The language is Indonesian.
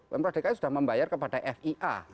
pemprov dki sudah membayar kepada fia